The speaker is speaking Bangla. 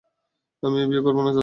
আমি এই বিয়ে করবো না, চাচা।